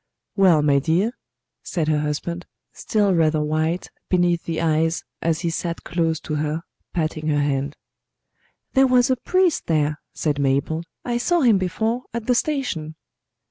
"Well, my dear?" said her husband, still rather white beneath the eyes as he sat close to her patting her hand. "There was a priest there," said Mabel. "I saw him before, at the station."